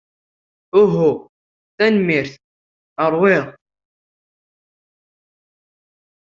Uhu, tanemmirt. Ṛwiɣ.